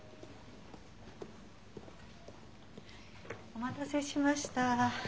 お待たせしました。